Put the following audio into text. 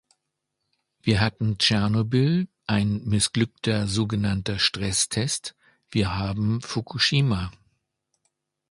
Wir hatten Tschernobyl ein missglückter so genannter Stresstest -, wir haben Fukushima.